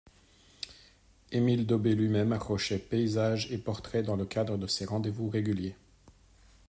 Emile Daubé lui-même accrochait paysages et portraits dans le cadre de ces rendez-vous réguliers.